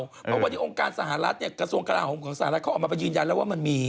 เพราะวันนี้องค์การสหรัฐเนี่ยกระทรวงกราโหมของสหรัฐเขาออกมาไปยืนยันแล้วว่ามันมี